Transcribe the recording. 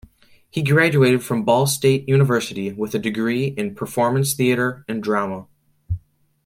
He graduated from Ball State University with a degree in performance theater and drama.